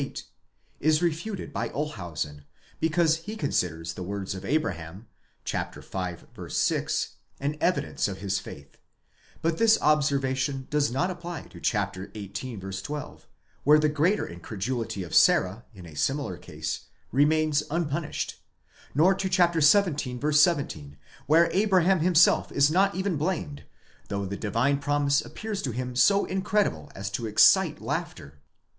8, is refuted by Olshausen, because he considers the words of Abraham, chap. v. 6, an evidence of his faith ; but this observation does not apply to chap. xviii. 12, where the greater incredulity of Sarah, in a similar case, remains nor to chap. xvii. 17, where Abraham himself is not even blamed, though the divine promise appears to him so incredible as to excite laughter.